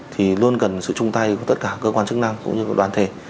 thì luôn cần sự chung tay của tất cả cơ quan chức năng cũng như của đoàn thể